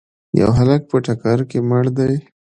یو هلک په ټکر کي مړ دی.